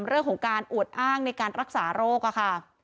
เรื่องของการอวดอ้างในการรักษาโรคค่ะ